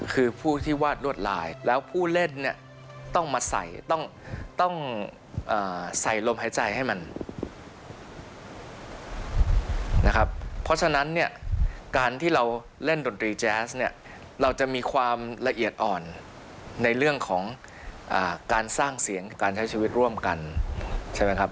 คือผู้ที่วาดลวดลายแล้วผู้เล่นเนี่ยต้องมาใส่ต้องใส่ลมหายใจให้มันนะครับเพราะฉะนั้นเนี่ยการที่เราเล่นดนตรีแจ๊สเนี่ยเราจะมีความละเอียดอ่อนในเรื่องของการสร้างเสียงการใช้ชีวิตร่วมกันใช่ไหมครับ